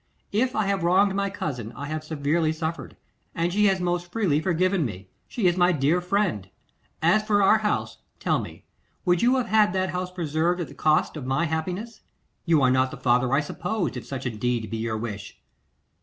If I have wronged my cousin, I have severely suffered, and she has most freely forgiven me. She is my dear friend. As for our house: tell me, would you have that house preserved at the cost of my happiness? You are not the father I supposed, if such indeed be your wish.